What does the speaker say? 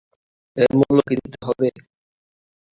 এর মূল্য কী দিতে হবে?